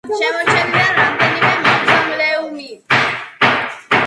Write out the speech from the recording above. შემორჩენილია რამდენიმე მავზოლეუმი.